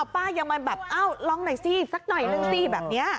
ป้ายังมาแบบเอ้าลองหน่อยสิสักหน่อยนึงสิแบบนี้